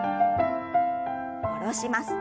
下ろします。